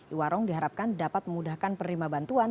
iwarong diharapkan dapat memudahkan penerima bantuan